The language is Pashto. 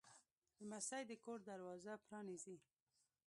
لمسی د کور دروازه پرانیزي.